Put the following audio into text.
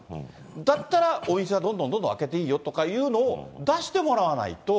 だったら、お店はどんどんどんどん開けていいよとかいうのを、出してもらわないと。